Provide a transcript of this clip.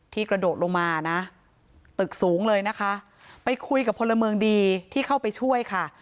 กระโดดลงมานะตึกสูงเลยนะคะไปคุยกับพลเมืองดีที่เข้าไปช่วยค่ะ